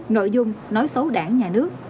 nội dung nói xấu đảng nhà nước